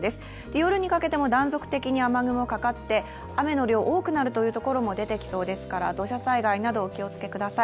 夜にかけても断続的に雨雲かかって、雨の量、多くなるところも出てきそうですから土砂災害などお気をつけください。